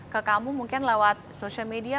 ke kamu mungkin lewat social media